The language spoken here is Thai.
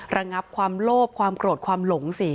ระงับความโลภความโกรธความหลงสิ